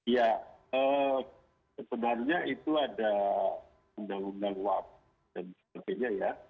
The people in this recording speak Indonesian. ya sebenarnya itu ada undang undang luar